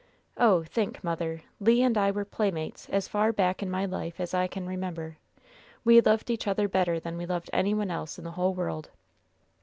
Oh, think, mother, Le and I were playmates as far back in my life as I can remember. We loved each other better than we loved any one else in the whole world.